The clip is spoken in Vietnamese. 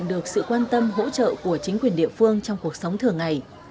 được sự quan tâm hỗ trợ của chính quyền địa phương trong cuộc sống thường ngày